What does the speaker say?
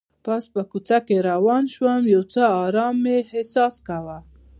پاس په کوڅه کې روان شوم، یو څه ارام مې احساس کاوه.